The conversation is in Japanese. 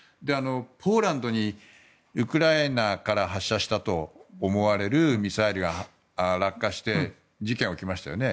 ポーランドにウクライナから発射したと思われるミサイルが落下して事件が起きましたよね。